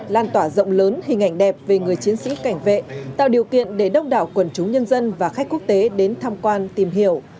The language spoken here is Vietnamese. lan tỏa rộng lớn hình ảnh đẹp về người chiến sĩ cảnh vệ tạo điều kiện để đông đảo quần chúng nhân dân và khách quốc tế đến tham quan tìm hiểu